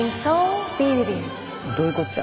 どういうこっちゃ。